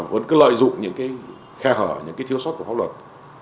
vẫn cứ lợi dụng những cái khe hở những cái thiếu sót của pháp luật